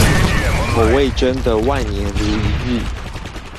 口味真的萬年如一日